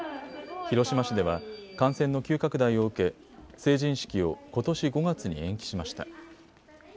広島市では感染の急拡大を受け、成人式をことし５月に延期しました。